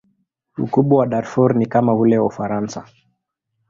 Ukubwa wa Darfur ni kama ule wa Ufaransa.